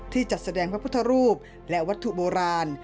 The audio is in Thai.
จัดแสดงพระพุทธรูปและวัตถุโบราณ